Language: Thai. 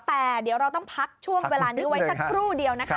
แต่เดี๋ยวเราต้องพักช่วงเวลานี้ไว้สักครู่เดียวนะคะ